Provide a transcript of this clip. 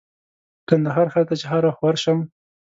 کندهار ښار ته چې هر وخت ورشم.